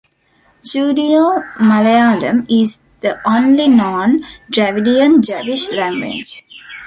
Judeo-Malayalam is the only known Dravidian Jewish language.